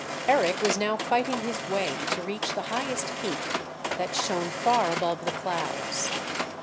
Eric was now fighting his way to reach the highest peak that shone far above the clouds.